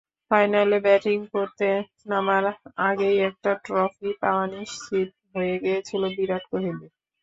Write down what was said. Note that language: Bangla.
ফাইনালে ব্যাটিং করতে নামার আগেই একটা ট্রফি পাওয়া নিশ্চিত হয়ে গিয়েছিল বিরাট কোহলির।